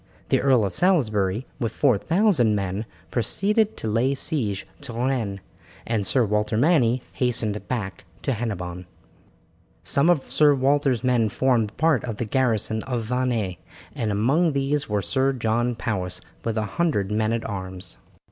The Earl of Salisbury, with four thousand men, proceeded to lay siege to Rennes, and Sir Walter Manny hastened back to Hennebon. Some of Sir Walter's men formed part of the garrison of Vannes, and among these was Sir John Powis with a hundred men at arms.